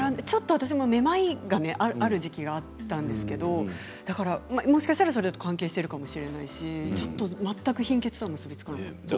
私もめまいがある時期があったんですけどもしかしたら、それと関係しているかもしれないし全く貧血とは結びつかなかった。